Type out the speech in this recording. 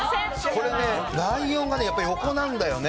これねライオンが横なんだよね。